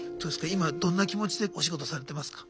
今どんな気持ちでお仕事されてますか？